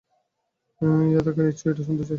ইয়াদাকা নিশ্চয়ই এটা শুনতে চায়।